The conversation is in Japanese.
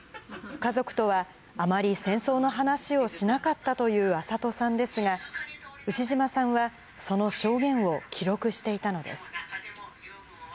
家族とはあまり戦争の話をしなかったという安里さんですが、牛島さんは、その証言を記録していたのです。